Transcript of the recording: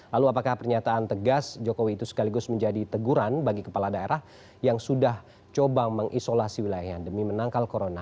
lalu apakah pernyataan tegas jokowi itu sekaligus menjadi teguran bagi kepala daerah yang sudah coba mengisolasi wilayahnya demi menangkal corona